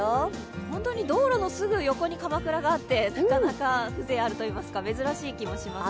本当に道路のすぐ横にかまくらがあってなかなか風情があるといいますか、珍しい気もしますね。